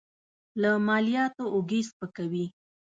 له مالیاتو اوږې سپکوي.